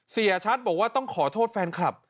เฉาบ้านก็มาร่วมงานมาร่วมแสดงความยินดีเป็นร้อยคนเลย